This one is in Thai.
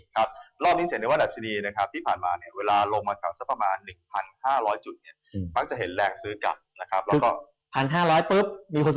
ที่ยืนเรื่องนี้ว่านักเสียดีที่ผ่านมาเวลาลงเงินซักประมาณ๑๕๐๐ตรี